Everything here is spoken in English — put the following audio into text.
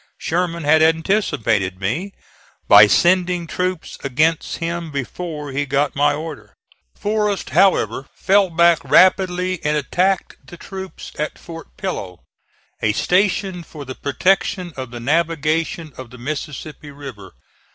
Sherman had anticipated me by sending troops against him before he got my order. Forrest, however, fell back rapidly, and attacked the troops at Fort Pillow, a station for the protection of the navigation of the Mississippi River.